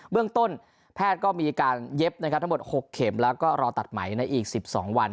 เรื่องต้นแพทย์ก็มีการเย็บนะครับทั้งหมด๖เข็มแล้วก็รอตัดไหมในอีก๑๒วัน